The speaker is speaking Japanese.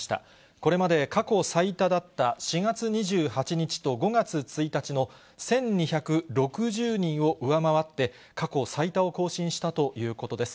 これまで過去最多だった、４月２８日と５月１日の１２６０人を上回って、過去最多を更新したということです。